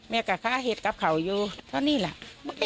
มันก็ไปทำบุญเพื่อนโทษ